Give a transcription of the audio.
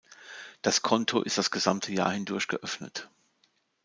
Das Konto ist das gesamte Jahr hindurch geöffnet.